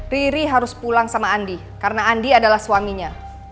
riri harus pulang sama andi karena andi adalah suaminya